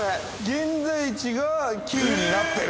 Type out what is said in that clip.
現在地がＱになってる。